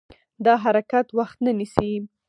دا حرکت وخت نه نیسي.